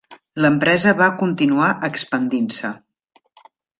L'empresa va continuar expandint-se.